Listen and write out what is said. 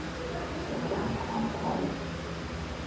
何等慚愧。